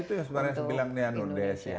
ya itu yang sebenarnya saya bilang nih anwar des